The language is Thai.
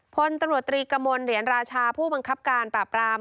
พลตำรวจตรีกระมวลเหรียญราชาผู้บังคับการปราบราม